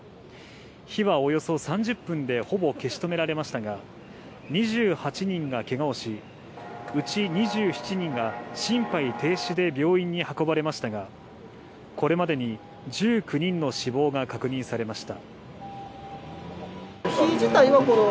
火はおよそ３０分でほぼ消し止められましたが、２８人がけがをし、うち２７人が心肺停止で病院に運ばれましたが、これまでに１９人の死亡が確認されました。